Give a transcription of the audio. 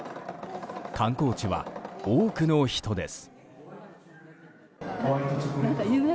観光地は多くの人です。